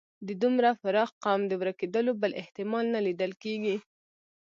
د دومره پراخ قوم د ورکېدلو بل احتمال نه لیدل کېږي.